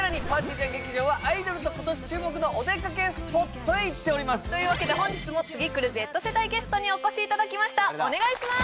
ちゃん劇場はアイドルと今年注目のお出かけスポットへ行っておりますというわけで本日も次くるＺ世代ゲストにお越しいただきましたお願いします